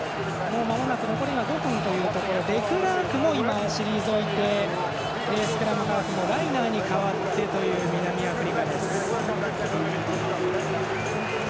まもなく残り５分というところでデクラークも退いてスクラムハーフのライナーに代わってという南アフリカです。